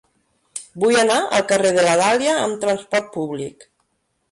Vull anar al carrer de la Dàlia amb trasport públic.